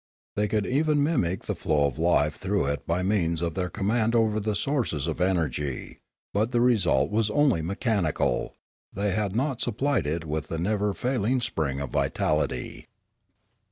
They could even mimic the flow of life through it by means of their command over the sources of energy; but the result was only mechanical; they had not supplied it with the never failing spring of vitality.